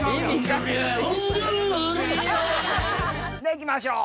いきましょう！